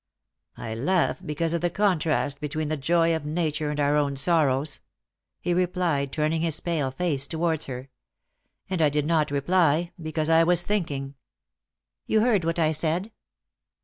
"I laugh because of the contrast between the joy of Nature and our own sorrows," he replied, turning his pale face towards her, "and I did not reply because I was thinking." "You heard what I said?"